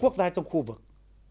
chưa sánh vai trong khu vực